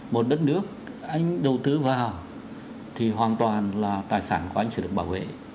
một đất nước anh đầu tư vào thì hoàn toàn là tài sản của anh sẽ được bảo vệ